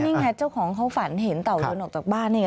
นี่ไงเจ้าของเขาฝันเห็นเต่าเดินออกจากบ้านนี่ไง